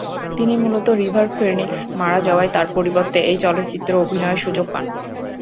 তিনি মূলত River Phoenix মারা যাওয়ায় তার পরিবর্তে এই চলচ্চিত্রে অভিনয়ের সুযোগ পান।